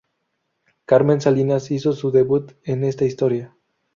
Carmen Salinas hizo su debut en esta historia.